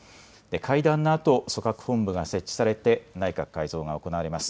会談のあと組閣本部が設置されて内閣改造が行われます。